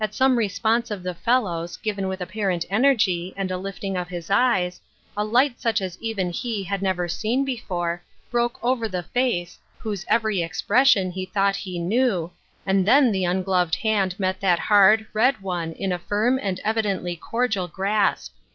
some response of the fellow's, given with apparent energy, and a lifting of his eyes, a light such as even he had never seen before, broke over the face, whose every expression he thought he knew, and then the ungloved hand met that hard, red one in a firm and evidently cordial grasp.